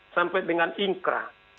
sampai dengan ingkra